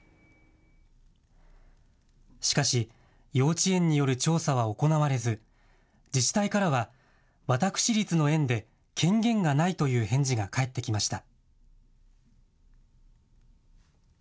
しかし、幼稚園による調査は行われず自治体からは私立の園で権限がないという返事が返ってきました。